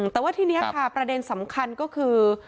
แต่ว่าทีนี้ค่ะประเด็นสำคัญก็คือ